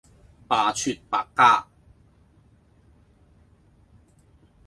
罷黜百家